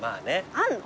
あんの？